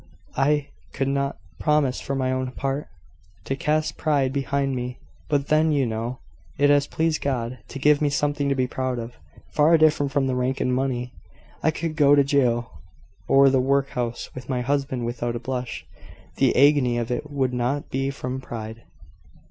I could not promise for my own part, to cast pride behind me: but then, you know, it has pleased God to give me something to be proud of, far different from rank and money. I could go to jail or the workhouse with my husband without a blush. The agony of it would not be from pride."